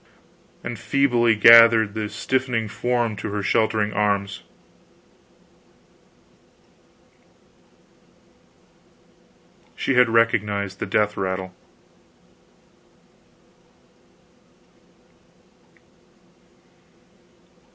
and feebly gathered the stiffening form to her sheltering arms. She had recognized the death rattle.